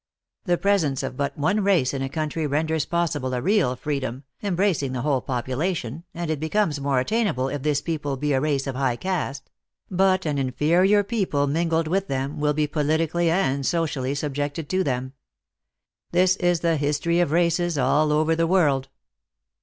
The presence of but THE ACTRESS IN HIGH LIFE. 209 one race in a country renders possible a real freedom, embracing the whole population, and it becomes more attainable if this people be a race of high caste ; but an inferior people mingled with them, will be politi cally and socially subjected to them. This is the his tory of races all over the world."